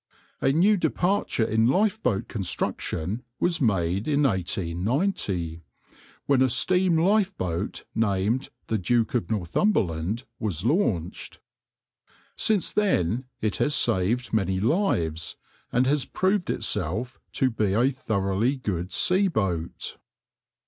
A new departure in lifeboat construction was made in 1890, when a steam lifeboat, named the Duke of Northumberland, was launched. Since then it has saved many lives, and has proved itself to be a thoroughly good sea boat.